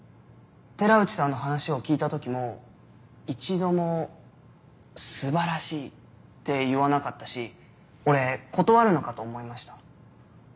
寺内さんの話を聞いた時も一度も「すばらしい」って言わなかったし俺断るのかと思いました。